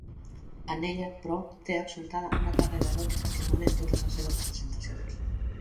En ella, però, té accentuada una càrrega eròtica que emana en totes les seves representacions.